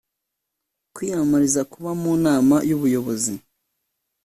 kwiyamamariza kuba mu nama y ubuyobozi